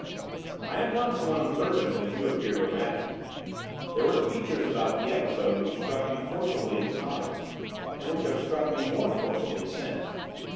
'I am not so unobservant as you appear to imagine. There were features about the episode which struck me forcibly at the time, and which have struck me more forcibly since.